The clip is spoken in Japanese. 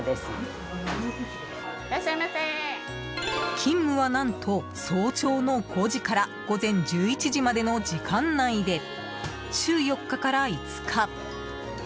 勤務は、何と早朝の５時から午前１１時までの時間内で週４日から５日。